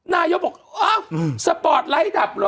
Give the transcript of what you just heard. นายกอกอ่ะอืมสปอร์ตไลฟ์ดับหรอ